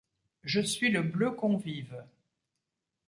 Je suis le bleu convive